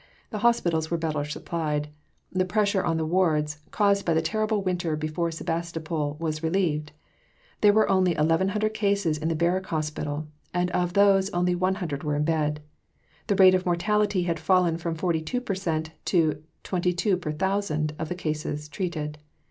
The hospitals were better supplied. The pressure in the wards, caused by the terrible winter before Sebastopol, was relieved. There were only 1100 cases in the Barrack Hospital, and of those only 100 were in bed. The rate of mortality had fallen from 42 per cent to 22 per thousand of the cases treated.